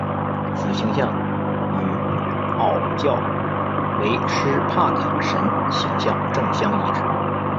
此形象与祆教维施帕卡神形像正相一致。